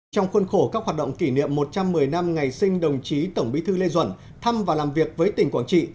trong khuôn khổ các hoạt động kỷ niệm một trăm một mươi năm ngày sinh đồng chí tổng bí thư lê duẩn thăm và làm việc với tỉnh quảng trị